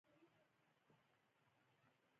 د حوض په ګردو دېوالونو پورې د اوبو شرشرې لگېدلې وې.